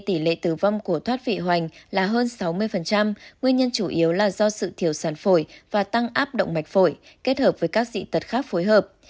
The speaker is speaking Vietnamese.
tỷ lệ tử vong của thoát vị hoành là hơn sáu mươi nguyên nhân chủ yếu là do sự thiểu sản phổi và tăng áp động mạch phổi kết hợp với các dị tật khác phối hợp